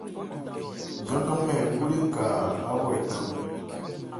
Gán-gánnmɛ ɛ wú léka áhrɔ́ ɛ kán ?